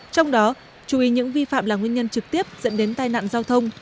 trong đó chú ý những vi phạm là nguyên nhân trực tiếp dẫn đến tai nạn giao thông